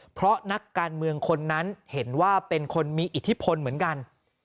เพราะนักการเมืองคนนั้นเห็นว่าเป็นคนมีอิทธิพลเหมือนกัน